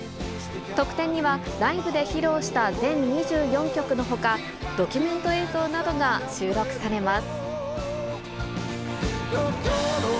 特典にはライブで披露した全２４曲のほか、ドキュメント映像などが収録されます。